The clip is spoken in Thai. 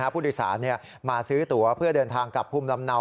ผู้โดยสารมาซื้อตัวเพื่อเดินทางกลับภูมิลำเนา